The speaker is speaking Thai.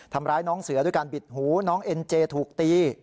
ทำร้ายน้องเสือด้วยการบิดหูน้องเอ็นเจถูกตี